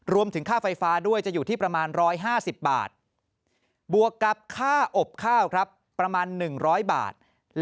รวมถึงค่าไฟฟ้าด้วยจะอยู่ที่ประมาณ๑๕๐บาท